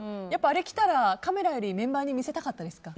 あれ着たらカメラよりメンバーに見せたかったですか？